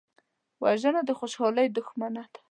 وژنه د خوشحالۍ دښمنه ده